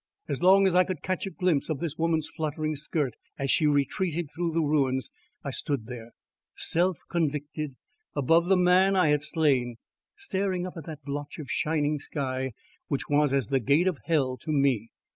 As long as I could catch a glimpse of this woman's fluttering skirt as she retreated through the ruins, I stood there, self convicted, above the man I had slain, staring up at that blotch of shining sky which was as the gate of hell to me.